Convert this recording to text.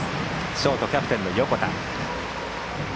ショート、キャプテンの横田。